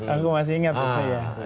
aku masih ingat pokoknya